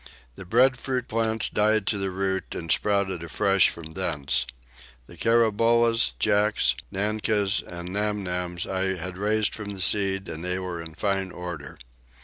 The breadfruit plants died to the root and sprouted afresh from thence. The karambolas, jacks, nancas, and namnams I had raised from the seed and they were in fine order.